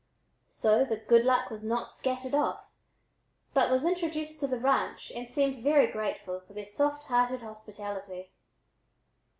So the "good luck" was not scatted off, but was introduced to the ranch and seemed very grateful for their soft hearted hospitality.